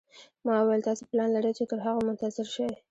ما وویل: تاسي پلان لرئ چې تر هغو منتظر شئ.